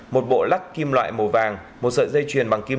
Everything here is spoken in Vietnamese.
một bộ lắc kim loại màu vàng một sợi dây chuyền bằng kim